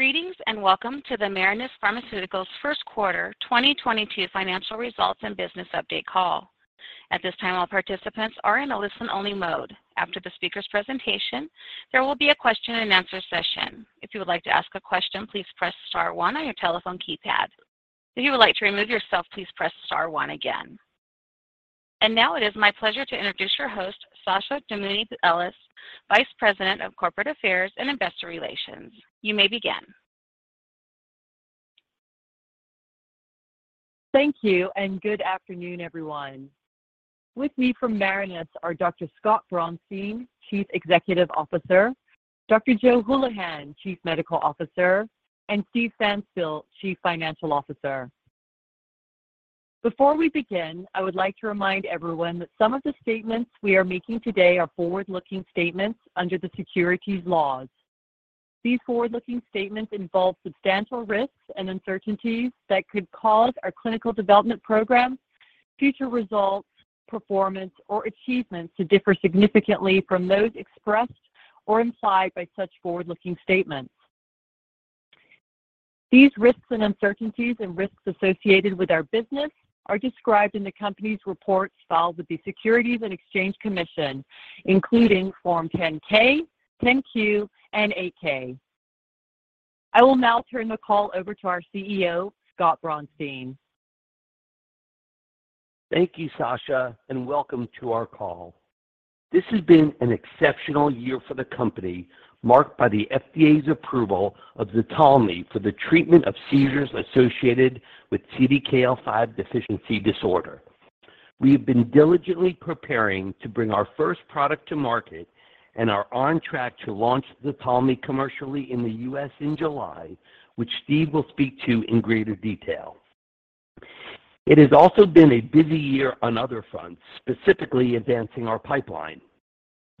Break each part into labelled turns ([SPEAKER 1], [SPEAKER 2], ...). [SPEAKER 1] Greetings and welcome to the Marinus Pharmaceuticals first quarter 2022 financial results and business update call. At this time, all participants are in a listen-only mode. After the speaker's presentation, there will be a question-and-answer session. If you would like to ask a question, please press Star one on your telephone keypad. If you would like to remove yourself, please press star one again. Now it is my pleasure to introduce your host, Sasha Damouni Ellis, Vice President, Corporate Affairs and Investor Relations. You may begin.
[SPEAKER 2] Thank you and good afternoon, everyone. With me from Marinus are Dr. Scott Braunstein, Chief Executive Officer, Dr. Joe Hulihan, Chief Medical Officer, and Steve Pfanstiel, Chief Financial Officer. Before we begin, I would like to remind everyone that some of the statements we are making today are forward-looking statements under the securities laws. These forward-looking statements involve substantial risks and uncertainties that could cause our clinical development programs, future results, performance, or achievements to differ significantly from those expressed or implied by such forward-looking statements. These risks and uncertainties and risks associated with our business are described in the company's reports filed with the Securities and Exchange Commission, including Form 10-K, 10-Q, and 8-K. I will now turn the call over to our CEO, Scott Braunstein.
[SPEAKER 3] Thank you, Sasha, and welcome to our call. This has been an exceptional year for the company, marked by the FDA's approval of ZTALMY for the treatment of seizures associated with CDKL5 deficiency disorder. We have been diligently preparing to bring our first product to market and are on track to launch ZTALMY commercially in the U.S. in July, which Steve will speak to in greater detail. It has also been a busy year on other fronts, specifically advancing our pipeline.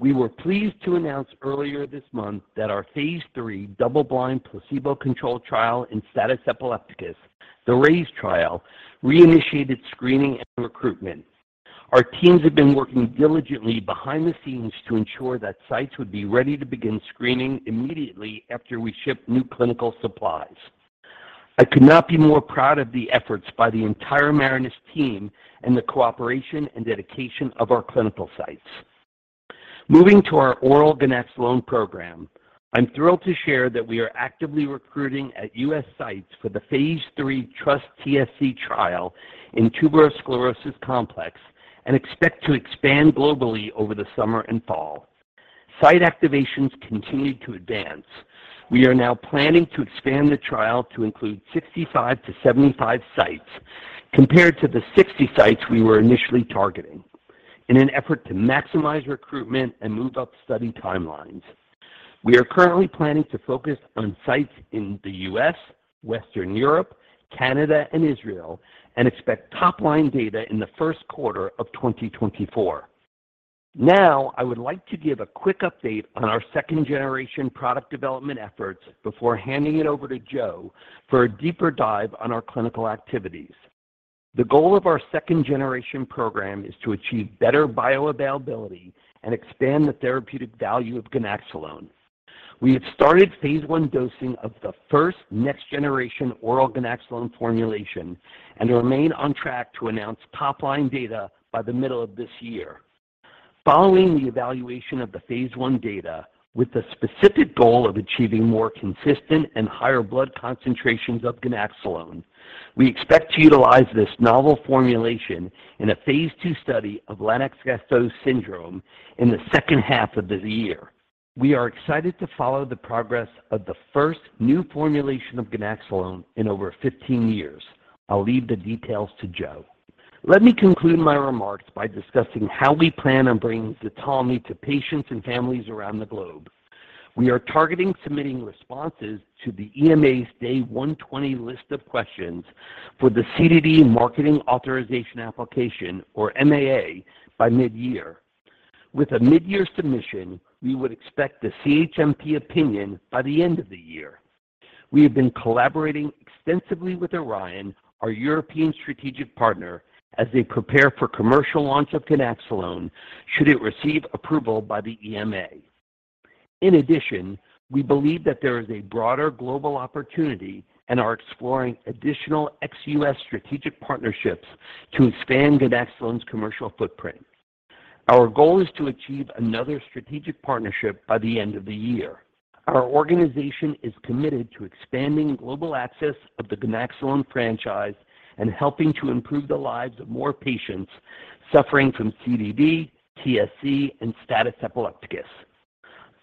[SPEAKER 3] We were pleased to announce earlier this month that our phase III double-blind placebo-controlled trial in status epilepticus, the RAISE trial, reinitiated screening and recruitment. Our teams have been working diligently behind the scenes to ensure that sites would be ready to begin screening immediately after we ship new clinical supplies. I could not be more proud of the efforts by the entire Marinus team and the cooperation and dedication of our clinical sites. Moving to our oral ganaxolone program, I'm thrilled to share that we are actively recruiting at U.S. sites for the phase III TrustTSC trial in tuberous sclerosis complex and expect to expand globally over the summer and fall. Site activations continued to advance. We are now planning to expand the trial to include 65-75 sites compared to the 60 sites we were initially targeting in an effort to maximize recruitment and move up study timelines. We are currently planning to focus on sites in the U.S., Western Europe, Canada, and Israel, and expect top line data in the first quarter of 2024. Now, I would like to give a quick update on our second generation product development efforts before handing it over to Joe for a deeper dive on our clinical activities. The goal of our second generation program is to achieve better bioavailability and expand the therapeutic value of ganaxolone. We have started phase I dosing of the first next generation oral ganaxolone formulation and remain on track to announce top line data by the middle of this year. Following the evaluation of the phase I data with the specific goal of achieving more consistent and higher blood concentrations of ganaxolone, we expect to utilize this novel formulation in a phase III study of Lennox-Gastaut syndrome in the second half of the year. We are excited to follow the progress of the first new formulation of ganaxolone in over 15 years. I'll leave the details to Joe. Let me conclude my remarks by discussing how we plan on bringing ZTALMY to patients and families around the globe. We are targeting submitting responses to the EMA's Day 120 list of questions for the CDD Marketing Authorization Application or MAA by mid-year. With a mid-year submission, we would expect the CHMP opinion by the end of the year. We have been collaborating extensively with Orion, our European strategic partner, as they prepare for commercial launch of ganaxolone, should it receive approval by the EMA. In addition, we believe that there is a broader global opportunity and are exploring additional ex-US strategic partnerships to expand ganaxolone's commercial footprint. Our goal is to achieve another strategic partnership by the end of the year. Our organization is committed to expanding global access of the ganaxolone franchise and helping to improve the lives of more patients suffering from CDD, TSC, and status epilepticus.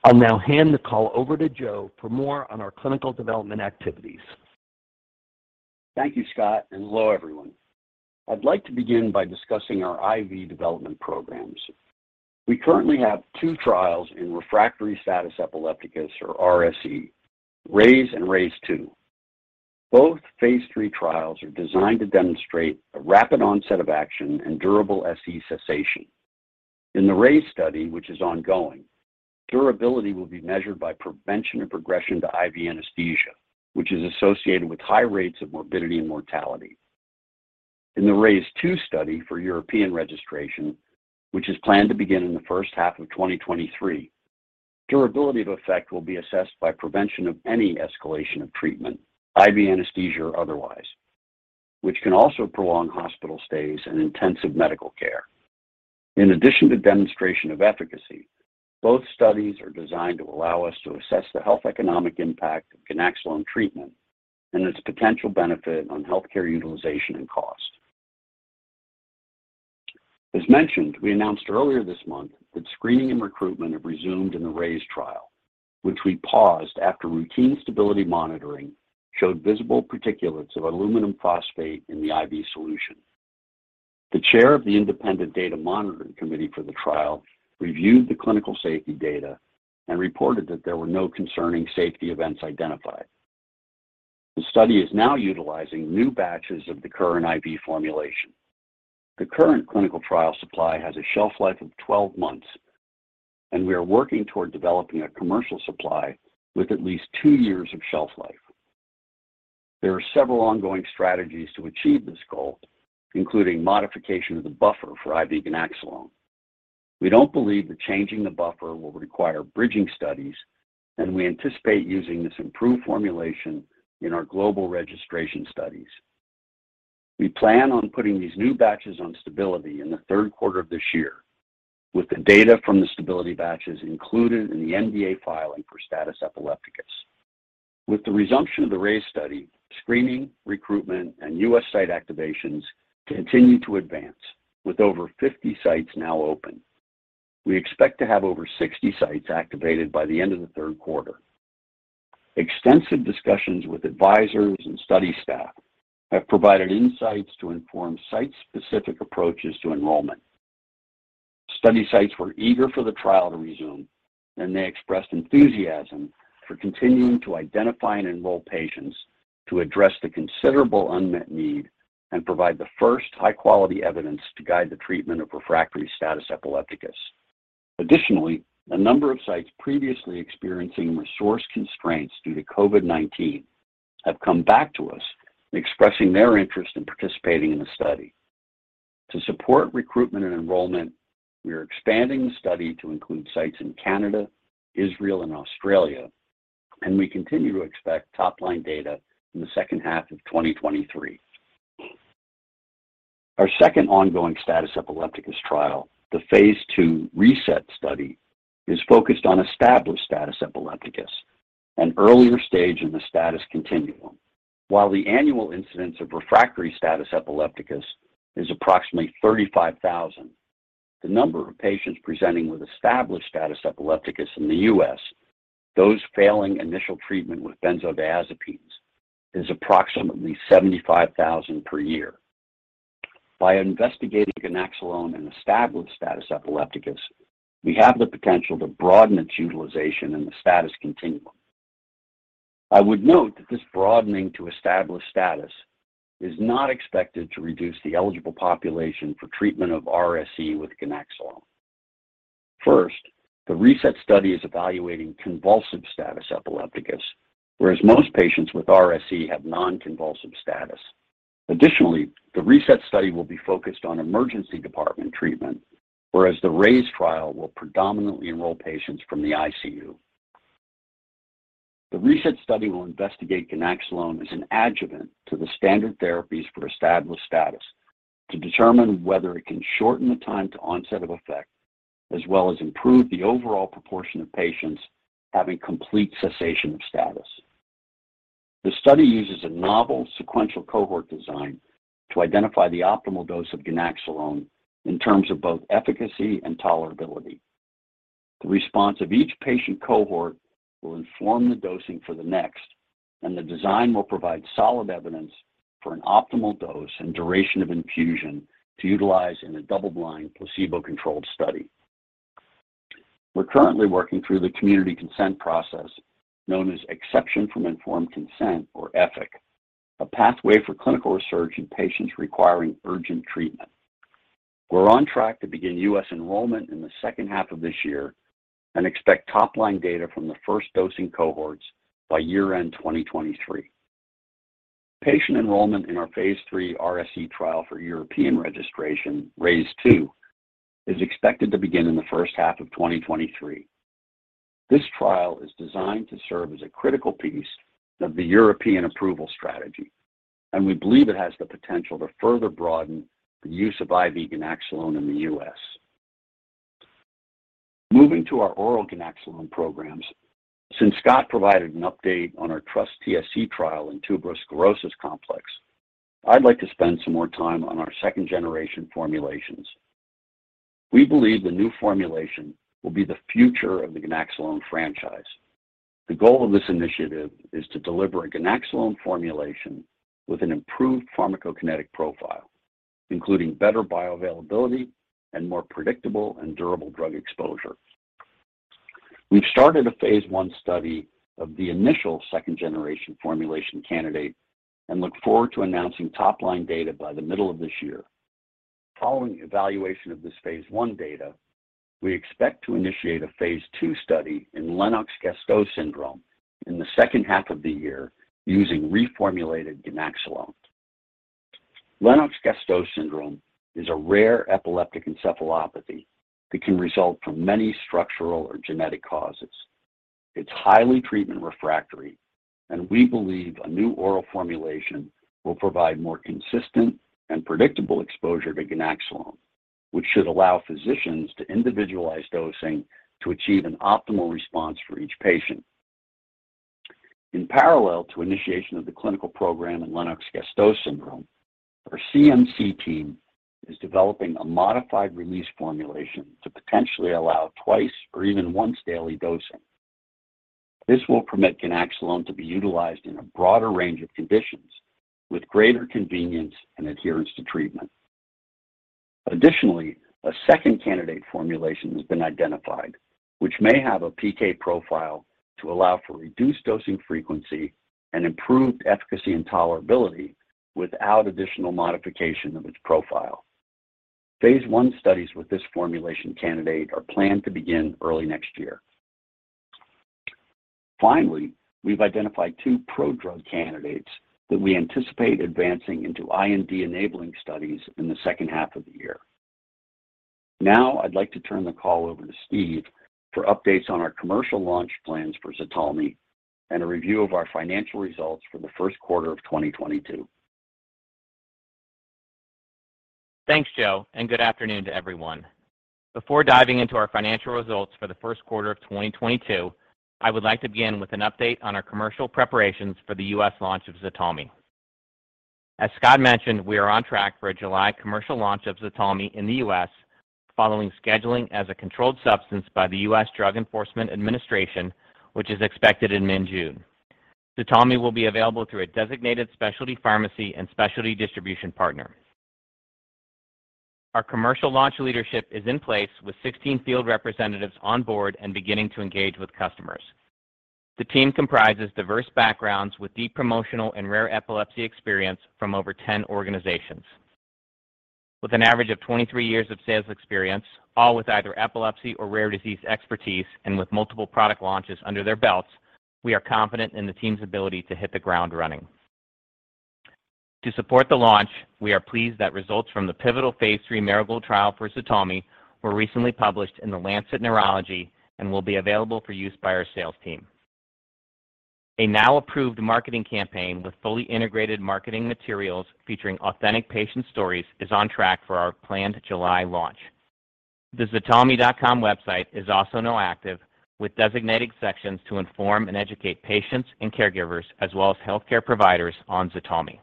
[SPEAKER 3] I'll now hand the call over to Joe for more on our clinical development activities.
[SPEAKER 4] Thank you, Scott, and hello, everyone. I'd like to begin by discussing our IV development programs. We currently have two trials in refractory status epilepticus or RSE, RAISE and RAISE II. Both phase III trials are designed to demonstrate a rapid onset of action and durable SE cessation. In the RAISE study, which is ongoing, durability will be measured by prevention and progression to IV anesthesia, which is associated with high rates of morbidity and mortality. In the RAISE II study for European registration, which is planned to begin in the first half of 2023, durability of effect will be assessed by prevention of any escalation of treatment, IV anesthesia or otherwise, which can also prolong hospital stays and intensive medical care. In addition to demonstration of efficacy, both studies are designed to allow us to assess the health economic impact of ganaxolone treatment and its potential benefit on healthcare utilization and cost. As mentioned, we announced earlier this month that screening and recruitment have resumed in the RAISE trial, which we paused after routine stability monitoring showed visible particulates of aluminum phosphate in the IV solution. The Chair of the Independent Data Monitoring Committee for the trial reviewed the clinical safety data and reported that there were no concerning safety events identified. The study is now utilizing new batches of the current IV formulation. The current clinical trial supply has a shelf life of 12 months, and we are working toward developing a commercial supply with at least two years of shelf life. There are several ongoing strategies to achieve this goal, including modification of the buffer for IV ganaxolone. We don't believe that changing the buffer will require bridging studies, and we anticipate using this improved formulation in our global registration studies. We plan on putting these new batches on stability in the third quarter of this year, with the data from the stability batches included in the NDA filing for status epilepticus. With the resumption of the RAISE study, screening, recruitment, and U.S. site activations continue to advance, with over 50 sites now open. We expect to have over 60 sites activated by the end of the third quarter. Extensive discussions with advisors and study staff have provided insights to inform site-specific approaches to enrollment. Study sites were eager for the trial to resume, and they expressed enthusiasm for continuing to identify and enroll patients to address the considerable unmet need and provide the first high-quality evidence to guide the treatment of refractory status epilepticus. Additionally, a number of sites previously experiencing resource constraints due to COVID-19 have come back to us expressing their interest in participating in the study. To support recruitment and enrollment, we are expanding the study to include sites in Canada, Israel, and Australia, and we continue to expect top-line data in the second half of 2023. Our second ongoing status epilepticus trial, the phase 2 RESET study, is focused on established status epilepticus, an earlier stage in the status continuum. While the annual incidence of refractory status epilepticus is approximately 35,000, the number of patients presenting with established status epilepticus in the U.S., those failing initial treatment with benzodiazepines, is approximately 75,000 per year. By investigating ganaxolone in established status epilepticus, we have the potential to broaden its utilization in the status continuum. I would note that this broadening to established status is not expected to reduce the eligible population for treatment of RSE with ganaxolone. First, the RESET study is evaluating convulsive status epilepticus, whereas most patients with RSE have non-convulsive status. Additionally, the RESET study will be focused on emergency department treatment, whereas the RAISE trial will predominantly enroll patients from the ICU. The RESET study will investigate ganaxolone as an adjuvant to the standard therapies for established status to determine whether it can shorten the time to onset of effect, as well as improve the overall proportion of patients having complete cessation of status. The study uses a novel sequential cohort design to identify the optimal dose of ganaxolone in terms of both efficacy and tolerability. The response of each patient cohort will inform the dosing for the next, and the design will provide solid evidence for an optimal dose and duration of infusion to utilize in a double-blind, placebo-controlled study. We're currently working through the community consent process known as Exception from Informed Consent, or EFIC, a pathway for clinical research in patients requiring urgent treatment. We're on track to begin U.S. enrollment in the second half of this year and expect top-line data from the first dosing cohorts by year-end 2023. Patient enrollment in our phase III RSE trial for European registration, RAISE II, is expected to begin in the first half of 2023. This trial is designed to serve as a critical piece of the European approval strategy, and we believe it has the potential to further broaden the use of IV ganaxolone in the U.S. Moving to our oral ganaxolone programs, since Scott provided an update on our TrustTSC trial in tuberous sclerosis complex, I'd like to spend some more time on our second-generation formulations. We believe the new formulation will be the future of the ganaxolone franchise. The goal of this initiative is to deliver a ganaxolone formulation with an improved pharmacokinetic profile, including better bioavailability and more predictable and durable drug exposure. We've started a phase I study of the initial second-generation formulation candidate and look forward to announcing top-line data by the middle of this year. Following evaluation of this phase 1 data, we expect to initiate a phase II study in Lennox-Gastaut syndrome in the second half of the year using reformulated ganaxolone. Lennox-Gastaut syndrome is a rare epileptic encephalopathy that can result from many structural or genetic causes. It's highly treatment refractory, and we believe a new oral formulation will provide more consistent and predictable exposure to ganaxolone, which should allow physicians to individualize dosing to achieve an optimal response for each patient. In parallel to initiation of the clinical program in Lennox-Gastaut syndrome, our CMC team is developing a modified release formulation to potentially allow twice or even once-daily dosing. This will permit ganaxolone to be utilized in a broader range of conditions with greater convenience and adherence to treatment. Additionally, a second candidate formulation has been identified, which may have a PK profile to allow for reduced dosing frequency and improved efficacy and tolerability without additional modification of its profile. Phase I studies with this formulation candidate are planned to begin early next year. Finally, we've identified two prodrug candidates that we anticipate advancing into IND-enabling studies in the second half of the year. Now I'd like to turn the call over to Steve for updates on our commercial launch plans for ZTALMY and a review of our financial results for the first quarter of 2022.
[SPEAKER 5] Thanks, Joe, and good afternoon to everyone. Before diving into our financial results for the first quarter of 2022, I would like to begin with an update on our commercial preparations for the U.S. launch of ZTALMY. As Scott mentioned, we are on track for a July commercial launch of ZTALMY in the U.S. following scheduling as a controlled substance by the U.S. Drug Enforcement Administration, which is expected in mid-June. ZTALMY will be available through a designated specialty pharmacy and specialty distribution partner. Our commercial launch leadership is in place with 16 field representatives on board and beginning to engage with customers. The team comprises diverse backgrounds with deep promotional and rare epilepsy experience from over 10 organizations. With an average of 23 years of sales experience, all with either epilepsy or rare disease expertise and with multiple product launches under their belts, we are confident in the team's ability to hit the ground running. To support the launch, we are pleased that results from the pivotal phase III Marigold trial for ZTALMY were recently published in The Lancet Neurology and will be available for use by our sales team. A now approved marketing campaign with fully integrated marketing materials featuring authentic patient stories is on track for our planned July launch. The ZTALMY.com website is also now active with designated sections to inform and educate patients and caregivers as well as healthcare providers on ZTALMY.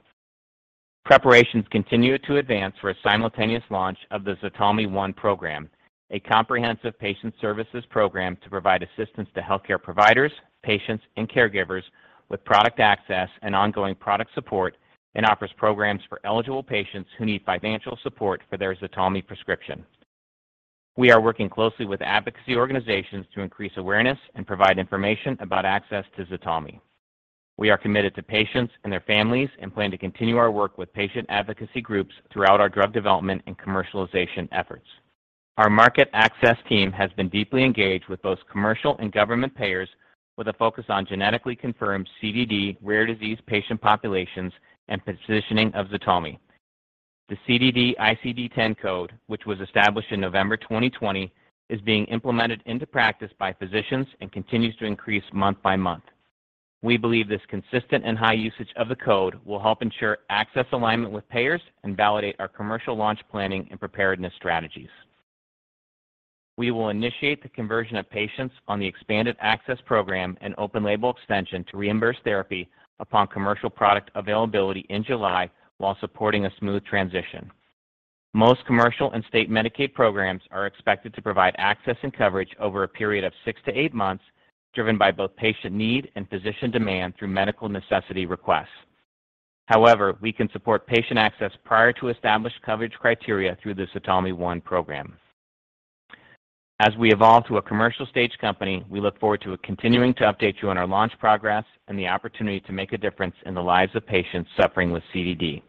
[SPEAKER 5] Preparations continue to advance for a simultaneous launch of the ZTALMY One program, a comprehensive patient services program to provide assistance to healthcare providers, patients, and caregivers with product access and ongoing product support, and offers programs for eligible patients who need financial support for their ZTALMY prescription. We are working closely with advocacy organizations to increase awareness and provide information about access to ZTALMY. We are committed to patients and their families and plan to continue our work with patient advocacy groups throughout our drug development and commercialization efforts. Our market access team has been deeply engaged with both commercial and government payers with a focus on genetically confirmed CDD rare disease patient populations and positioning of ZTALMY. The CDD ICD-10 code, which was established in November 2020, is being implemented into practice by physicians and continues to increase month by month. We believe this consistent and high usage of the code will help ensure access alignment with payers and validate our commercial launch planning and preparedness strategies. We will initiate the conversion of patients on the expanded access program and open label extension to reimburse therapy upon commercial product availability in July while supporting a smooth transition. Most commercial and state Medicaid programs are expected to provide access and coverage over a period of 6-8 months, driven by both patient need and physician demand through medical necessity requests. However, we can support patient access prior to established coverage criteria through the ZTALMY One program. As we evolve to a commercial stage company, we look forward to continuing to update you on our launch progress and the opportunity to make a difference in the lives of patients suffering with CDD.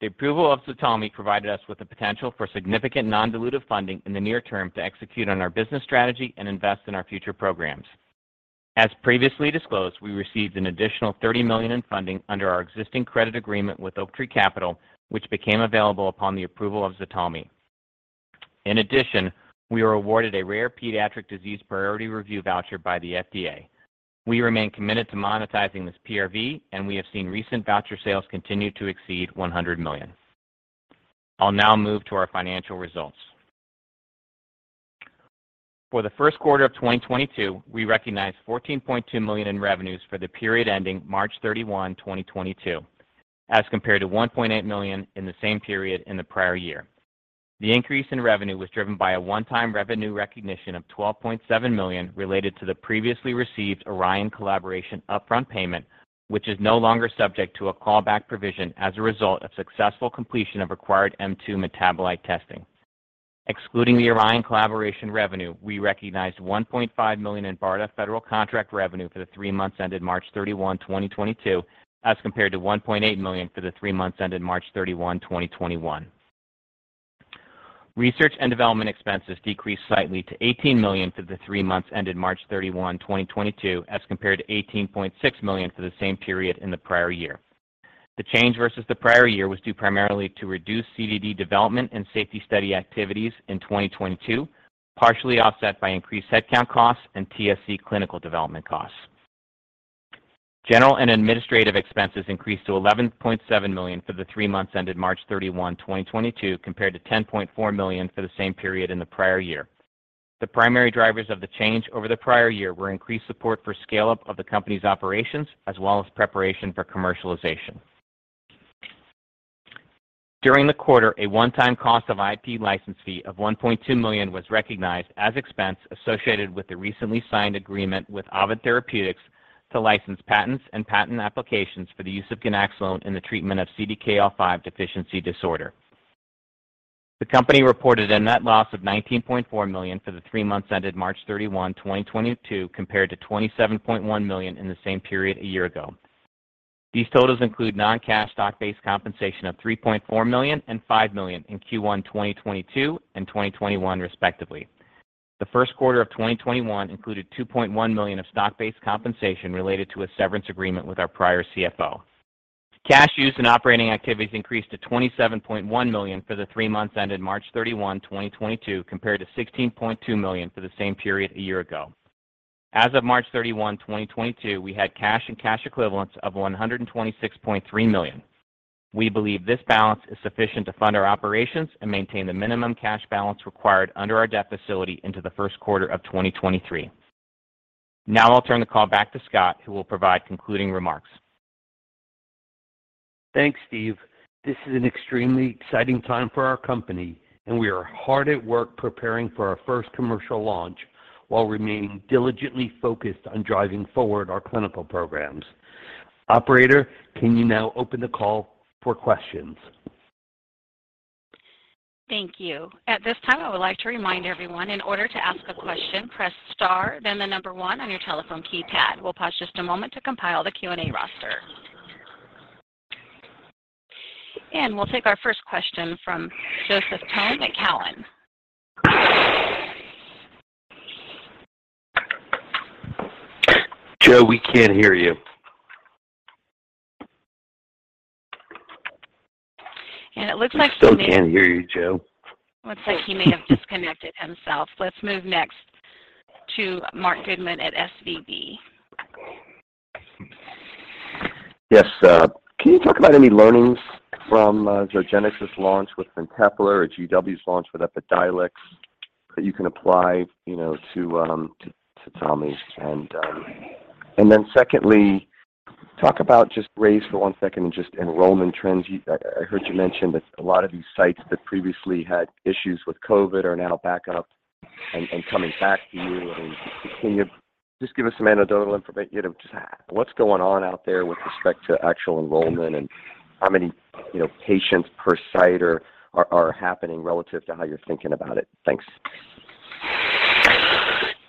[SPEAKER 5] The approval of ZTALMY provided us with the potential for significant non-dilutive funding in the near-term to execute on our business strategy and invest in our future programs. As previously disclosed, we received an additional $30 million in funding under our existing credit agreement with Oaktree Capital, which became available upon the approval of ZTALMY. In addition, we were awarded a rare pediatric disease priority review voucher by the FDA. We remain committed to monetizing this PRV, and we have seen recent voucher sales continue to exceed $100 million. I'll now move to our financial results. For the first quarter of 2022, we recognized $14.2 million in revenues for the period ending March 31, 2022, as compared to $1.8 million in the same period in the prior year. The increase in revenue was driven by a one-time revenue recognition of $12.7 million related to the previously received Orion collaboration upfront payment, which is no longer subject to a callback provision as a result of successful completion of required M2 metabolite testing. Excluding the Orion collaboration revenue, we recognized $1.5 million in BARDA federal contract revenue for the three months ended March 31, 2022, as compared to $1.8 million for the three months ended March 31, 2021. Research and development expenses decreased slightly to $18 million for the three months ended March 31, 2022, as compared to $18.6 million for the same period in the prior year. The change versus the prior year was due primarily to reduced CDD development and safety study activities in 2022, partially offset by increased headcount costs and TSC clinical development costs. General and administrative expenses increased to $11.7 million for the three months ended March 31, 2022, compared to $10.4 million for the same period in the prior year. The primary drivers of the change over the prior year were increased support for scale-up of the company's operations as well as preparation for commercialization. During the quarter, a one-time cost of IP license fee of $1.2 million was recognized as expense associated with the recently signed agreement with Ovid Therapeutics to license patents and patent applications for the use of ganaxolone in the treatment of CDKL5 deficiency disorder. The company reported a net loss of $19.4 million for the three months ended March 31, 2022, compared to $27.1 million in the same period a year ago. These totals include non-cash stock-based compensation of $3.4 million and $5 million in Q1 2022 and 2021 respectively. The first quarter of 2021 included $2.1 million of stock-based compensation related to a severance agreement with our prior CFO. Cash used in operating activities increased to $27.1 million for the three months ended March 31, 2022, compared to $16.2 million for the same period a year ago. As of March 31, 2022, we had cash and cash equivalents of $126.3 million. We believe this balance is sufficient to fund our operations and maintain the minimum cash balance required under our debt facility into the first quarter of 2023. Now I'll turn the call back to Scott, who will provide concluding remarks.
[SPEAKER 3] Thanks, Steve. This is an extremely exciting time for our company, and we are hard at work preparing for our first commercial launch while remaining diligently focused on driving forward our clinical programs. Operator, can you now open the call for questions?
[SPEAKER 1] Thank you. At this time, I would like to remind everyone, in order to ask a question, press star then the number one on your telephone keypad. We'll pause just a moment to compile the Q&A roster. We'll take our first question from Joseph Thome at Cowen.
[SPEAKER 3] Joe, we can't hear you.
[SPEAKER 1] It looks like.
[SPEAKER 3] We still can't hear you, Joe.
[SPEAKER 1] Looks like he may have disconnected himself. Let's move next to Marc Goodman at SVB.
[SPEAKER 6] Yes. Can you talk about any learnings from Zogenix's launch with FINTEPLA or GW's launch with Epidiolex that you can apply, you know, to ZTALMY? Secondly, talk about just RAISE for one second and just enrollment trends. I heard you mentioned that a lot of these sites that previously had issues with COVID are now back up and coming back to you. Can you just give us, you know, just what's going on out there with respect to actual enrollment and how many, you know, patients per site are happening relative to how you're thinking about it? Thanks.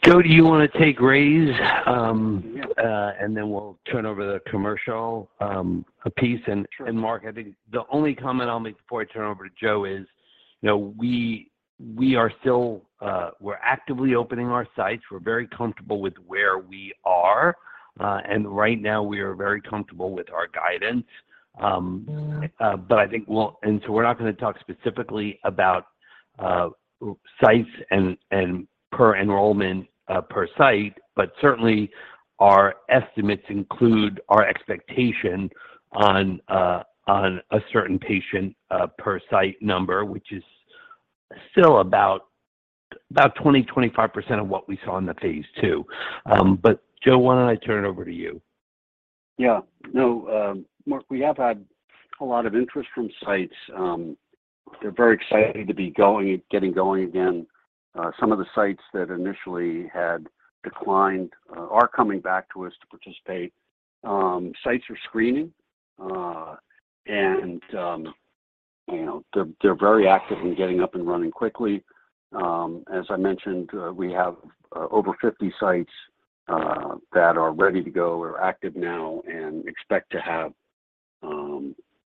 [SPEAKER 3] Joe, do you wanna take RAISE?
[SPEAKER 4] Yeah.
[SPEAKER 3] We'll turn over the commercial piece.
[SPEAKER 4] Sure.
[SPEAKER 3] Marc, I think the only comment I'll make before I turn over to Joe is, you know, we are still actively opening our sites. We're very comfortable with where we are, and right now we are very comfortable with our guidance. We're not gonna talk specifically about sites and per enrollment per site, but certainly our estimates include our expectation on a certain patient per site number, which is still about 20%-25% of what we saw in the phase II. Joe, why don't I turn it over to you?
[SPEAKER 4] Yeah. No, Marc, we have had a lot of interest from sites. They're very excited to be getting going again. Some of the sites that initially had declined are coming back to us to participate. Sites are screening, and you know, they're very active in getting up and running quickly. As I mentioned, we have over 50 sites that are ready to go or active now and expect to have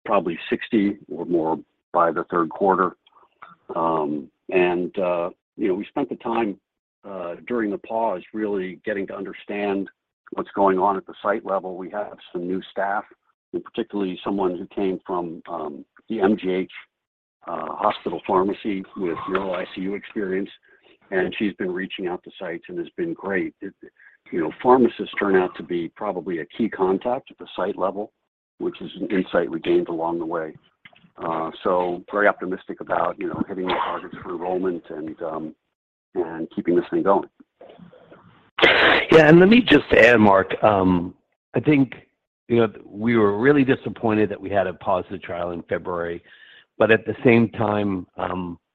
[SPEAKER 4] probably 60 or more by the third quarter. You know, we spent the time during the pause really getting to understand what's going on at the site level. We have some new staff, and particularly someone who came from the MGH Hospital Pharmacy with neuro ICU experience, and she's been reaching out to sites and has been great. You know, pharmacists turn out to be probably a key contact at the site level, which is an insight we gained along the way. Very optimistic about, you know, hitting our targets for enrollment and keeping this thing going.
[SPEAKER 3] Yeah. Let me just add, Marc, I think, you know, we were really disappointed that we had to pause the trial in February, but at the same time,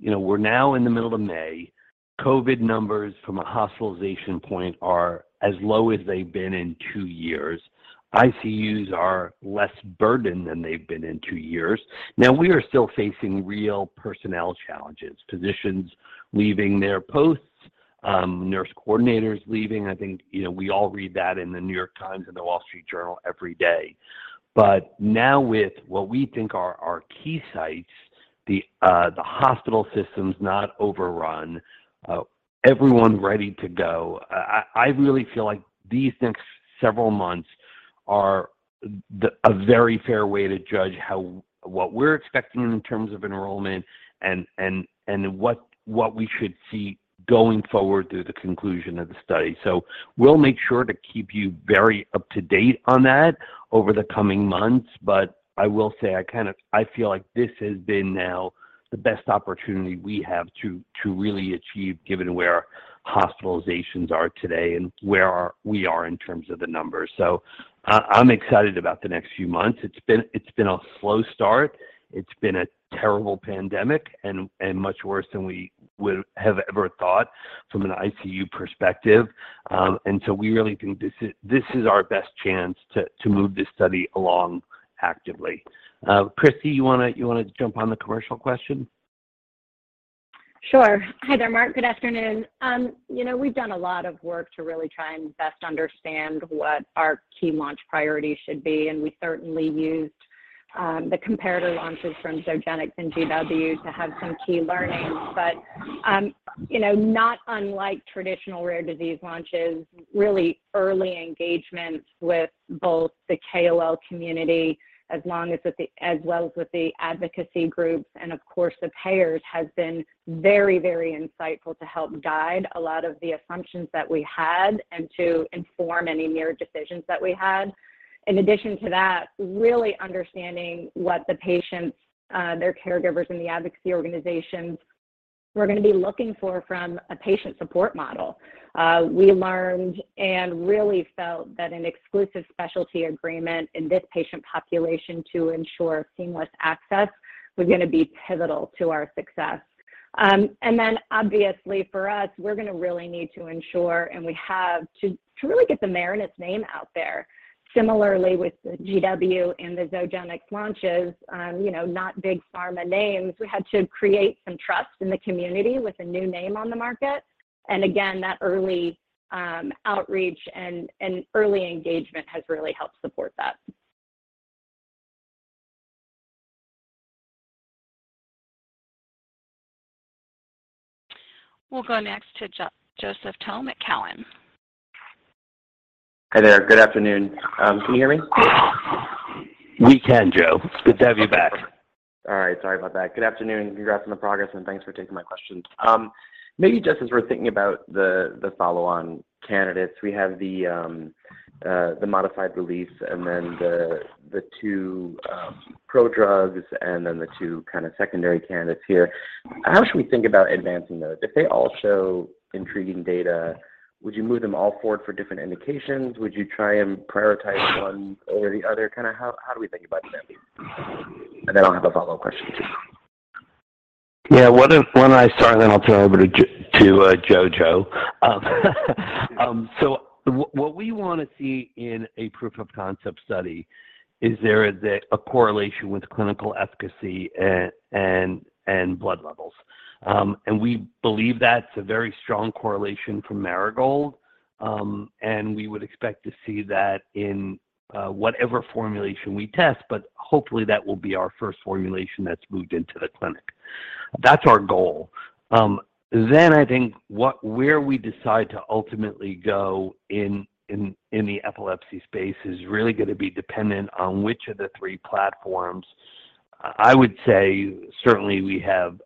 [SPEAKER 3] you know, we're now in the middle of May. COVID numbers from a hospitalization point are as low as they've been in two years. ICUs are less burdened than they've been in two years. Now, we are still facing real personnel challenges, physicians leaving their posts, nurse coordinators leaving. I think, you know, we all read that in The New York Times and The Wall Street Journal every day. Now with what we think are our key sites, the hospital systems not overrun, everyone ready to go, I really feel like these next several months are a very fair way to judge what we're expecting in terms of enrollment and what we should see going forward through the conclusion of the study. We'll make sure to keep you very up-to-date on that over the coming months. I will say I feel like this has been now the best opportunity we have to really achieve given where hospitalizations are today and we are in terms of the numbers. I'm excited about the next few months. It's been a slow start. It's been a terrible pandemic and much worse than we would have ever thought from an ICU perspective. We really think this is our best chance to move this study along actively. Christy, you wanna jump on the commercial question?
[SPEAKER 7] Sure. Hi there, Marc. Good afternoon. You know, we've done a lot of work to really try and best understand what our key launch priorities should be, and we certainly used the comparator launches from Zogenix and GW to have some key learnings. You know, not unlike traditional rare disease launches, really early engagements with both the KOL community as well as with the advocacy groups and of course the payers has been very, very insightful to help guide a lot of the assumptions that we had and to inform any near-term decisions that we had. In addition to that, really understanding what the patients, their caregivers and the advocacy organizations were gonna be looking for from a patient support model. We learned and really felt that an exclusive specialty agreement in this patient population to ensure seamless access was gonna be pivotal to our success. Then obviously for us, we're gonna really need to ensure, and we have to really get the Marinus name out there. Similarly with the GW and the Zogenix launches, you know, not big pharma names. We had to create some trust in the community with a new name on the market. Again, that early outreach and early engagement has really helped support that.
[SPEAKER 1] We'll go next to Joseph Thome at Cowen.
[SPEAKER 8] Hi there. Good afternoon. Can you hear me?
[SPEAKER 3] We can, Joe. Good to have you back.
[SPEAKER 8] All right. Sorry about that. Good afternoon. Congrats on the progress, and thanks for taking my questions. Maybe just as we're thinking about the follow-on candidates, we have the modified release and then the two prodrugs and then the two kind of secondary candidates here. How should we think about advancing those? If they all show intriguing data, would you move them all forward for different indications? Would you try and prioritize one over the other? Kind of how do we think about that? Then I'll have a follow-up question, too.
[SPEAKER 3] Yeah. Why don't I start, and then I'll turn it over to Joe. So what we want to see in a proof of concept study is there is a correlation with clinical efficacy and blood levels. We believe that's a very strong correlation for Marigold. We would expect to see that in whatever formulation we test, but hopefully, that will be our first formulation that's moved into the clinic. That's our goal. I think where we decide to ultimately go in the epilepsy space is really gonna be dependent on which of the three platforms. I would say certainly we have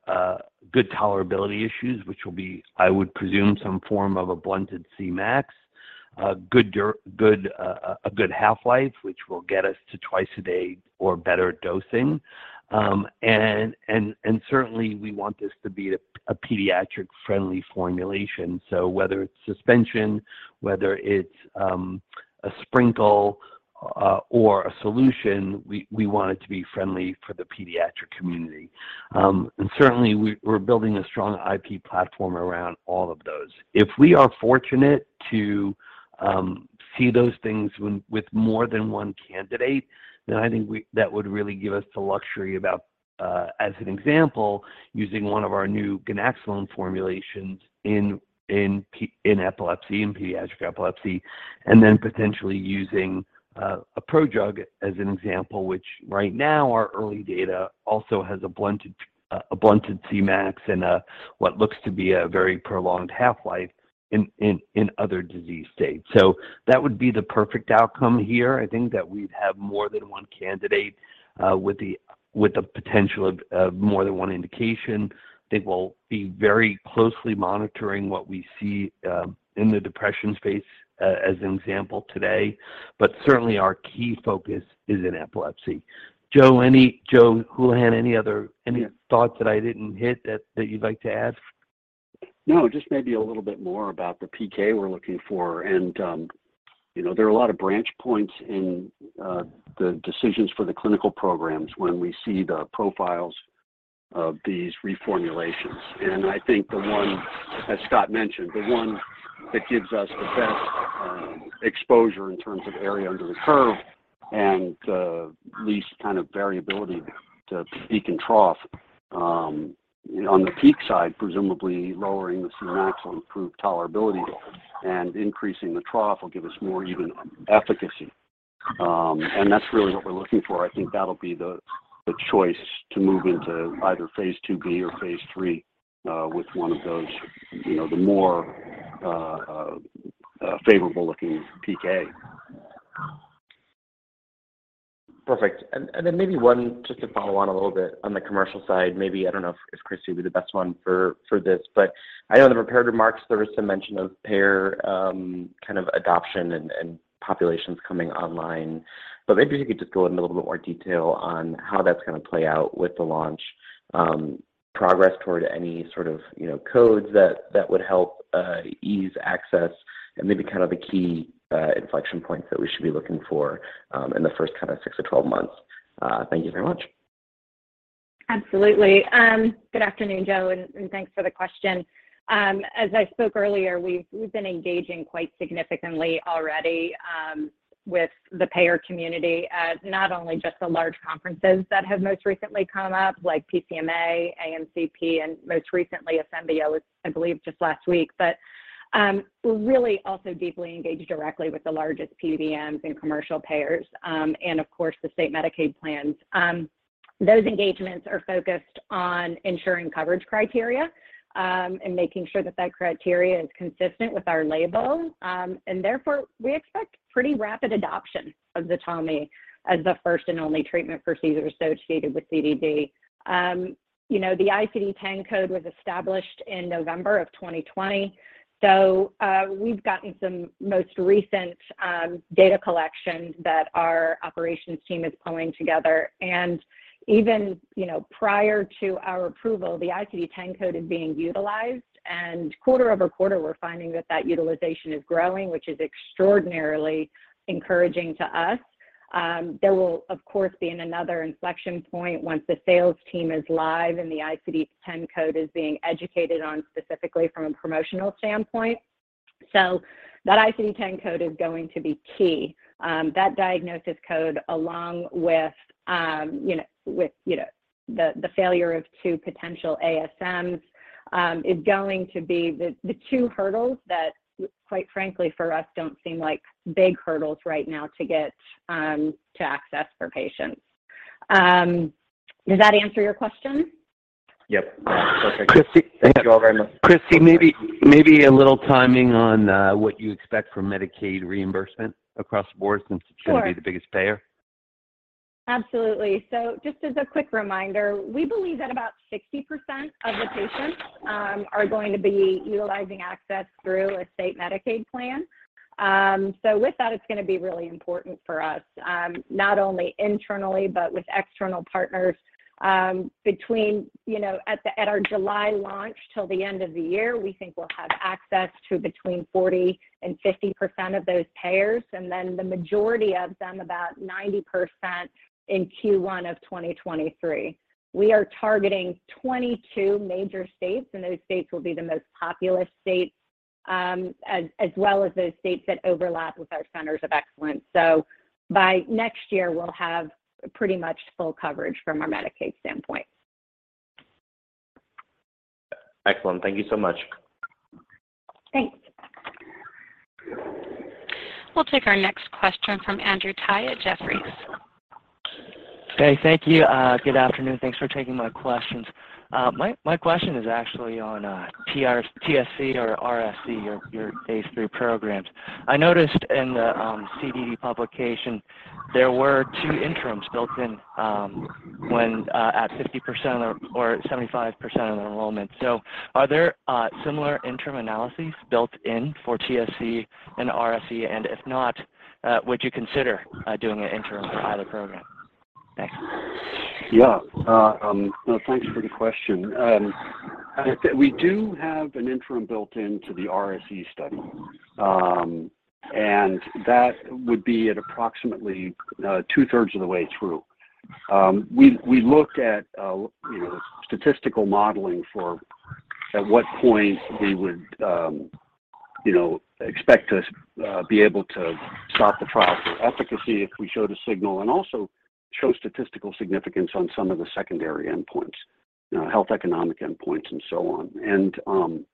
[SPEAKER 3] good tolerability issues, which will be, I would presume, some form of a blunted C-MAX, a good half-life, which will get us to twice a day or better dosing. Certainly we want this to be a pediatric-friendly formulation. Whether it's suspension, whether it's a sprinkle or a solution, we want it to be friendly for the pediatric community. Certainly we're building a strong IP platform around all of those. If we are fortunate to see those things with more than one candidate, then I think that would really give us the luxury about, as an example, using one of our new ganaxolone formulations in epilepsy, in pediatric epilepsy, and then potentially using a prodrug as an example, which right now our early data also has a blunted C-MAX and what looks to be a very prolonged half-life in other disease states. That would be the perfect outcome here. I think that we'd have more than one candidate with the potential of more than one indication. I think we'll be very closely monitoring what we see in the depression space, as an example today. Certainly our key focus is in epilepsy. Joe, any Joe Hulihan, any other
[SPEAKER 4] Yeah.
[SPEAKER 3] Any thoughts that I didn't hit that you'd like to add?
[SPEAKER 4] No, just maybe a little bit more about the PK we're looking for and. You know, there are a lot of branch points in the decisions for the clinical programs when we see the profiles of these reformulations. I think the one, as Scott mentioned, that gives us the best exposure in terms of area under the curve and the least kind of variability to peak and trough. On the peak side, presumably lowering the C-MAX will improve tolerability, and increasing the trough will give us more even efficacy. That's really what we're looking for. I think that'll be the choice to move into either phase II-B or phase III with one of those, you know, the more favorable-looking PK.
[SPEAKER 8] Perfect. Then maybe one just to follow on a little bit on the commercial side, maybe I don't know if Christy would be the best one for this. I know in the prepared remarks there was some mention of payer kind of adoption and populations coming online. Maybe if you could just go in a little bit more detail on how that's going to play out with the launch, progress toward any sort of, you know, codes that would help ease access and maybe kind of the key inflection points that we should be looking for in the first kind of 6-12 months. Thank you very much.
[SPEAKER 7] Absolutely. Good afternoon, Joe, and thanks for the question. As I spoke earlier, we've been engaging quite significantly already with the payer community at not only just the large conferences that have most recently come up like PCMA, AMCP, and most recently Asembia was, I believe, just last week. We're really also deeply engaged directly with the largest PBMs and commercial payers, and of course the state Medicaid plans. Those engagements are focused on ensuring coverage criteria, and making sure that criteria is consistent with our label. Therefore we expect pretty rapid adoption of ZTALMY as the first and only treatment for seizures associated with CDD. You know, the ICD-10 code was established in November of 2020, so we've gotten some most recent data collections that our operations team is pulling together. Even, you know, prior to our approval, the ICD-10 code is being utilized, and quarter-over-quarter, we're finding that utilization is growing, which is extraordinarily encouraging to us. There will of course be another inflection point once the sales team is live and the ICD-10 code is being educated on specifically from a promotional standpoint. So that ICD-10 code is going to be key. That diagnosis code along with, you know, with, you know, the failure of two potential ASMs, is going to be the two hurdles that quite frankly for us don't seem like big hurdles right now to get to access for patients. Does that answer your question?
[SPEAKER 8] Yep. Perfect.
[SPEAKER 4] Christy.
[SPEAKER 8] Thank you all very much.
[SPEAKER 4] Christy, maybe a little timing on what you expect from Medicaid reimbursement across the board since it's-
[SPEAKER 7] Sure.
[SPEAKER 4] Going to be the biggest payer.
[SPEAKER 7] Absolutely. Just as a quick reminder, we believe that about 60% of the patients are going to be utilizing access through a state Medicaid plan. With that, it's going to be really important for us, not only internally but with external partners. Between, you know, at our July launch till the end of the year, we think we'll have access to between 40% and 50% of those payers, and then the majority of them, about 90% in Q1 of 2023. We are targeting 22 major states, and those states will be the most populous states, as well as those states that overlap with our centers of excellence. By next year, we'll have pretty much full coverage from our Medicaid standpoint.
[SPEAKER 8] Excellent. Thank you so much.
[SPEAKER 7] Thanks.
[SPEAKER 1] We'll take our next question from Andrew Tsai at Jefferies.
[SPEAKER 9] Hey. Thank you. Good afternoon. Thanks for taking my questions. My question is actually on TSC or RSE, your phase III programs. I noticed in the CDD publication there were two interims built in, when at 50% or 75% of the enrollment. Are there similar interim analyses built in for TSC and RSE, and if not, would you consider doing an interim for either program? Thanks.
[SPEAKER 4] Yeah. No, thanks for the question. We do have an interim built into the RSE study. That would be at approximately 2/3 Of the way through. We looked at you know the statistical modeling for at what point we would you know expect to be able to stop the trial for efficacy if we showed a signal and also show statistical significance on some of the secondary endpoints, health economic endpoints and so on.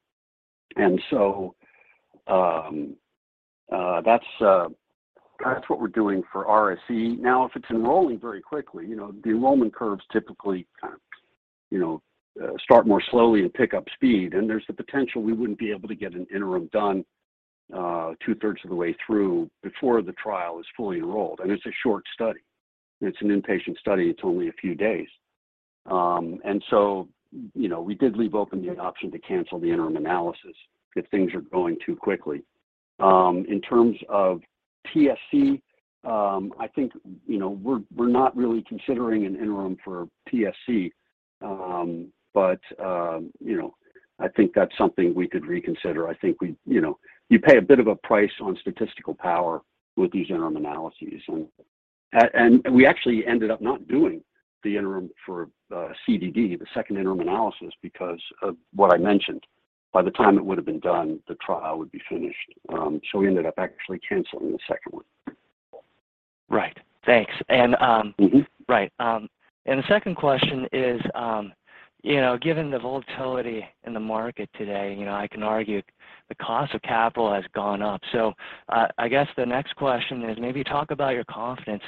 [SPEAKER 4] That's what we're doing for RSE. Now, if it's enrolling very quickly, you know, the enrollment curves typically kind of you know start more slowly and pick up speed, and there's the potential we wouldn't be able to get an interim done 2/3 of the way through before the trial is fully enrolled. It's a short study. It's an inpatient study. It's only a few days. You know, we did leave open the option to cancel the interim analysis if things are going too quickly. In terms of TSC, I think, you know, we're not really considering an interim for TSC. But you know, I think that's something we could reconsider. You know, you pay a bit of a price on statistical power with these interim analyses. And we actually ended up not doing the interim for CDD, the second interim analysis, because of what I mentioned. By the time it would have been done, the trial would be finished. So we ended up actually canceling the second one.
[SPEAKER 9] Right. Thanks. Right. The second question is, you know, given the volatility in the market today, you know, I can argue the cost of capital has gone up. I guess the next question is maybe talk about your confidence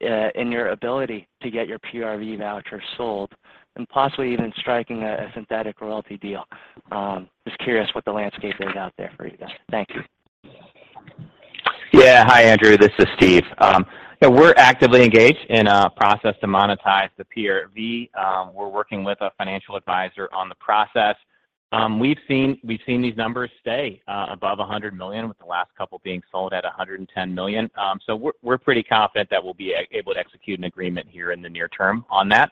[SPEAKER 9] in your ability to get your PRV voucher sold and possibly even striking a synthetic royalty deal. Just curious what the landscape is out there for you guys. Thank you.
[SPEAKER 5] Yeah. Hi, Andrew. This is Steve. We're actively engaged in a process to monetize the PRV. We're working with a financial advisor on the process. We've seen these numbers stay above $100 million, with the last couple being sold at $110 million. We're pretty confident that we'll be able to execute an agreement here in the near-term on that.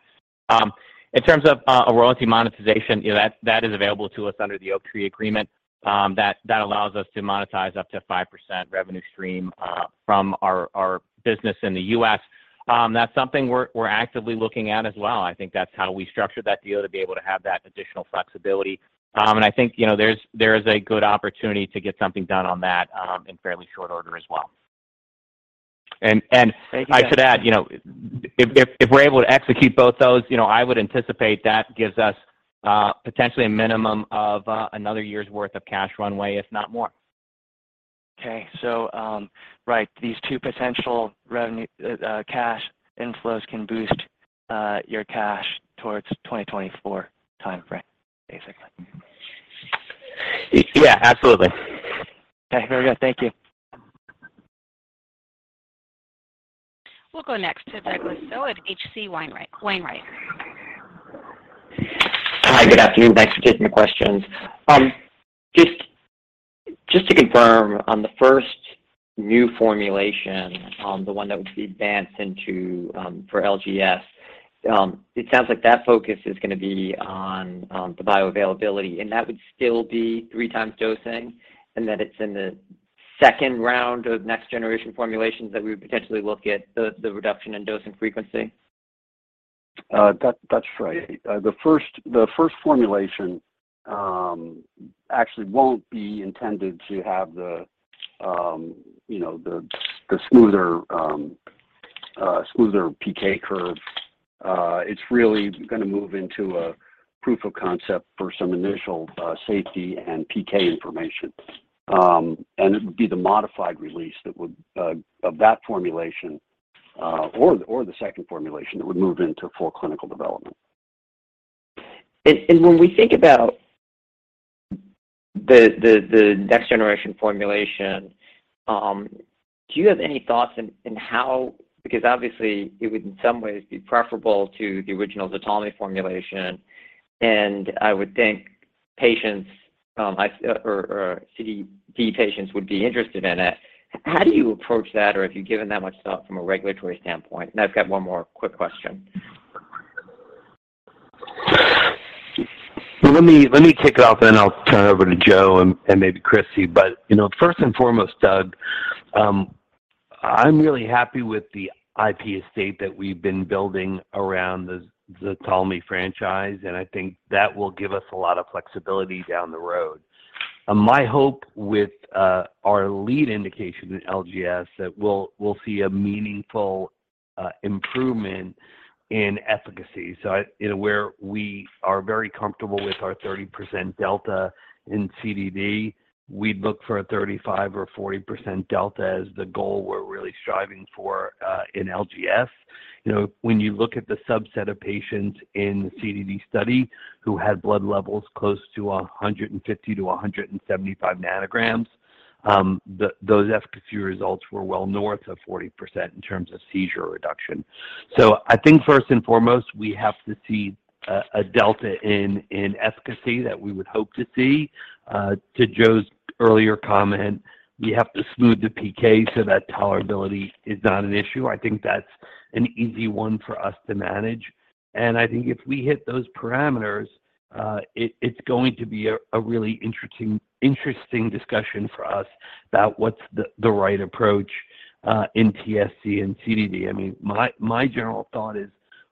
[SPEAKER 5] In terms of a royalty monetization, you know, that is available to us under the Oaktree agreement, that allows us to monetize up to 5% revenue stream from our business in the U.S. That's something we're actively looking at as well. I think that's how we structured that deal to be able to have that additional flexibility.
[SPEAKER 3] I think, you know, there is a good opportunity to get something done on that, in fairly short order as well.
[SPEAKER 9] Thank you, guys.
[SPEAKER 3] I should add, you know, if we're able to execute both those, you know, I would anticipate that gives us potentially a minimum of another year's worth of cash runway, if not more.
[SPEAKER 9] These two potential cash inflows can boost your cash towards 2024 timeframe, basically.
[SPEAKER 3] Yeah, absolutely.
[SPEAKER 9] Okay. Very good. Thank you.
[SPEAKER 1] We'll go next to Doug Tsao at H.C. Wainwright.
[SPEAKER 10] Hi. Good afternoon. Thanks for taking the questions. Just to confirm on the first new formulation, the one that would be advanced into for LGS, it sounds like that focus is gonna be on the bioavailability, and that would still be 3x dosing, and that it's in the second round of next generation formulations that we would potentially look at the reduction in dosing frequency.
[SPEAKER 4] That's right. The first formulation actually won't be intended to have the, you know, the smoother PK curve. It's really gonna move into a proof of concept for some initial safety and PK information. It would be the modified release that would of that formulation or the second formulation that would move into full clinical development.
[SPEAKER 10] When we think about the next generation formulation, do you have any thoughts on how? Because obviously it would in some ways be preferable to the original ZTALMY formulation, and I would think patients or CDD patients would be interested in it. How do you approach that or have you given that much thought from a regulatory standpoint? I've got one more quick question.
[SPEAKER 3] Well, let me kick it off, then I'll turn it over to Joe and maybe Chrissy. You know, first and foremost, Doug, I'm really happy with the IP estate that we've been building around the ZTALMY franchise, and I think that will give us a lot of flexibility down the road. My hope with our lead indication in LGS that we'll see a meaningful improvement in efficacy. You know, where we are very comfortable with our 30% delta in CDD, we'd look for a 35% or 40% delta as the goal we're really striving for in LGS. You know, when you look at the subset of patients in the CDD study who had blood levels close to 150 to 175 ng, those efficacy results were well north of 40% in terms of seizure reduction. I think first and foremost, we have to see a delta in efficacy that we would hope to see. To Joe's earlier comment, we have to smooth the PK so that tolerability is not an issue. I think that's an easy one for us to manage. I think if we hit those parameters, it's going to be a really interesting discussion for us about what's the right approach in TSC and CDD. I mean, my general thought is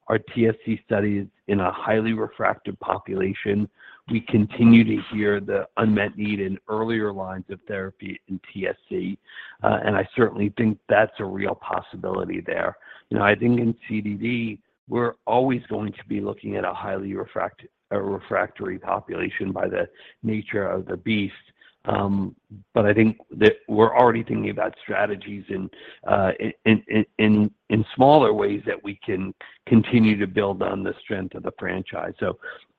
[SPEAKER 3] our TSC study is in a highly refractory population. We continue to hear the unmet need in earlier lines of therapy in TSC, and I certainly think that's a real possibility there. You know, I think in CDD, we're always going to be looking at a highly refractory population by the nature of the beast. I think that we're already thinking about strategies in smaller ways that we can continue to build on the strength of the franchise.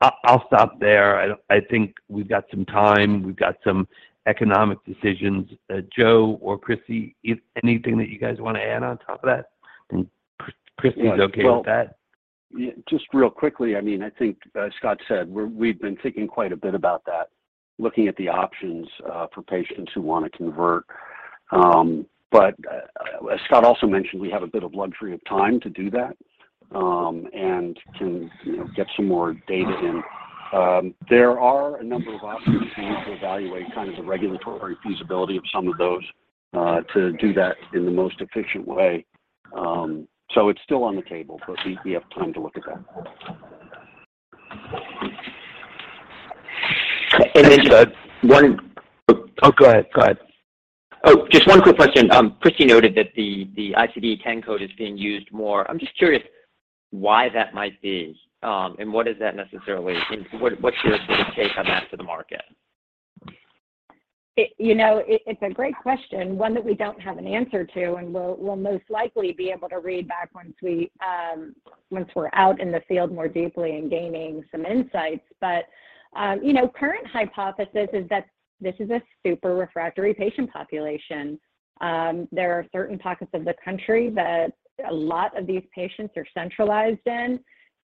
[SPEAKER 3] I'll stop there. I think we've got some time. We've got some economic decisions. Joe or Christy, if anything that you guys wanna add on top of that? If Christy's okay with that.
[SPEAKER 4] Yeah. Well, yeah, just really quickly, I mean, I think, as Scott said, we've been thinking quite a bit about that, looking at the options, for patients who wanna convert. As Scott also mentioned, we have a bit of luxury of time to do that, and to, you know, get some more data in. There are a number of options we need to evaluate, kind of the regulatory feasibility of some of those, to do that in the most efficient way. It's still on the table, but we have time to look at that.
[SPEAKER 10] And then one
[SPEAKER 4] Oh, go ahead. Go ahead.
[SPEAKER 10] Oh, just one quick question. Christy noted that the ICD-10 code is being used more. I'm just curious why that might be, and what's your sort of take on that for the market?
[SPEAKER 7] You know, it's a great question, one that we don't have an answer to, and we'll most likely be able to report back once we're out in the field more deeply and gaining some insights. You know, current hypothesis is that this is a super refractory patient population. There are certain pockets of the country that a lot of these patients are centralized in,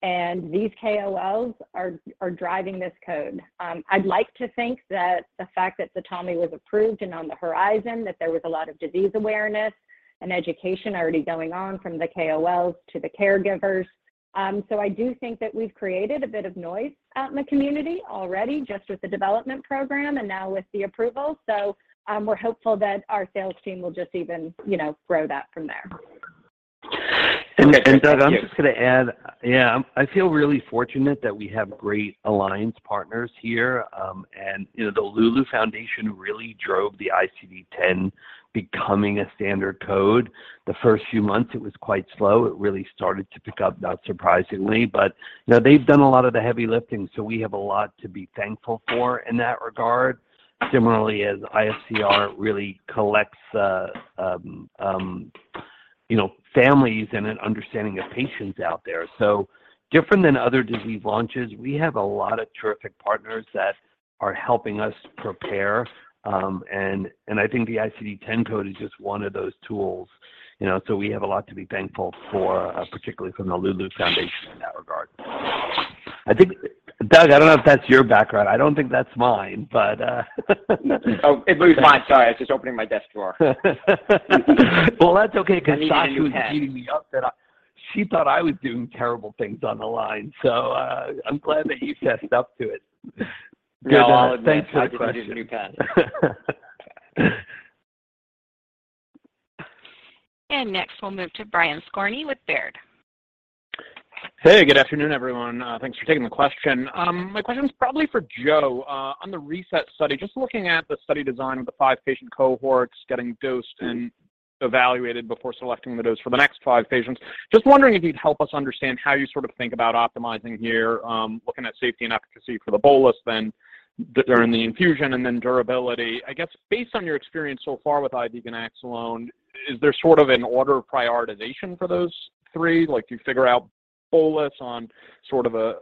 [SPEAKER 7] and these KOLs are driving this crowd. I'd like to think that the fact that ZTALMY was approved and on the horizon, that there was a lot of disease awareness and education already going on from the KOLs to the caregivers. I do think that we've created a bit of noise out in the community already just with the development program and now with the approval. We're hopeful that our sales team will just even, you know, grow that from there.
[SPEAKER 10] Okay. Thank you.
[SPEAKER 4] Doug, I'm just gonna add. Yeah. I feel really fortunate that we have great alliance partners here. And, you know, the Loulou Foundation really drove the ICD-10 becoming a standard code. The first few months, it was quite slow. It really started to pick up, not surprisingly. You know, they've done a lot of the heavy lifting, so we have a lot to be thankful for in that regard. Similarly, as IFCR really collects, you know, families and an understanding of patients out there. Different than other disease launches, we have a lot of terrific partners that are helping us prepare, and I think the ICD-10 code is just one of those tools, you know. We have a lot to be thankful for, particularly from the Loulou Foundation in that regard. I think. Doug, I don't know if that's your background. I don't think that's mine, but,
[SPEAKER 10] Oh, it was mine. Sorry. I was just opening my desk drawer.
[SPEAKER 4] Well, that's okay 'cause Sasha
[SPEAKER 10] I need a new pen.
[SPEAKER 4] was beating me up. She thought I was doing terrible things on the line. I'm glad that you fessed up to it.
[SPEAKER 10] Yeah, I'll admit I just need a new pen.
[SPEAKER 1] Next, we'll move to Brian Skorney with Baird.
[SPEAKER 11] Hey, good afternoon, everyone. Thanks for taking the question. My question is probably for Joe, on the RESET study. Just looking at the study design of the five patient cohorts getting dosed and evaluated before selecting the dose for the next five patients. Just wondering if you'd help us understand how you sort of think about optimizing here, looking at safety and efficacy for the bolus then during the infusion and then durability. I guess based on your experience so far with IV ganaxolone, is there sort of an order of prioritization for those three? Like, do you figure out bolus on sort of a